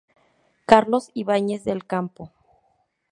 Carlos Ibáñez del Campo.